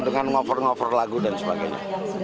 dan ngover ngover lagu dan sebagainya